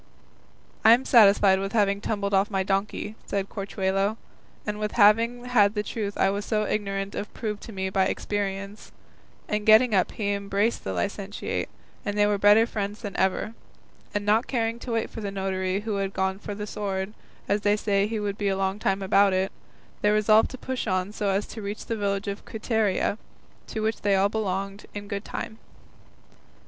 "I am satisfied with having tumbled off my donkey," said Corchuelo, "and with having had the truth I was so ignorant of proved to me by experience;" and getting up he embraced the licentiate, and they were better friends than ever; and not caring to wait for the notary who had gone for the sword, as they saw he would be a long time about it, they resolved to push on so as to reach the village of Quiteria, to which they all belonged, in good time.